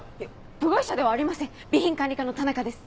部外者ではありません備品管理課の田中です。